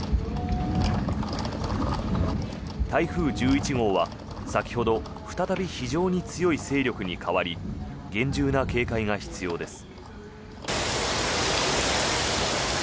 台風１１号は先ほど再び非常に強い勢力に変わり厳重な警戒が必要です。